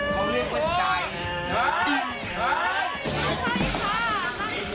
สวัสดีครับคุณผู้ชมครับ